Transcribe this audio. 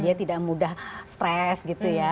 dia tidak mudah stress gitu ya